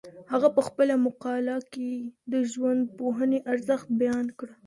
هغه په خپله مقاله کي د ژوندپوهنې ارزښت بیان کړ.